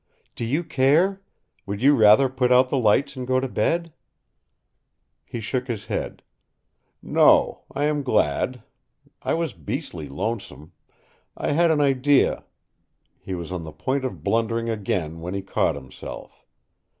"Do you care? Would you rather put out the lights and go to bed?" He shook his head. "No. I am glad. I was beastly lonesome. I had an idea " He was on the point of blundering again when he caught himself.